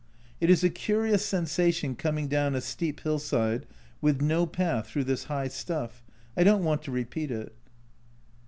It is a curious sensation coming down a steep hill side with no path through this high stuff. I don't want to repeat it.